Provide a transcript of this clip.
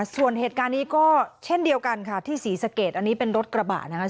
ส่วนเหตุการณ์นี้ก็เช่นเดียวกันค่ะที่ศรีสะเกดอันนี้เป็นรถกระบะนะคะ